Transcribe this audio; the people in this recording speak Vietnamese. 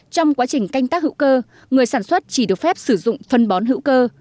trong quá trình canh tác hữu cơ người sản xuất chỉ được phép sử dụng phân bón hữu cơ